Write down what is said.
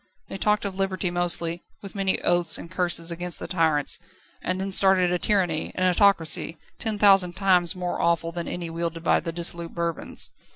They talked of Liberty mostly, with many oaths and curses against the tyrants, and then started a tyranny, an autocracy, ten thousand times more awful than any wielded by the dissolute Bourbons.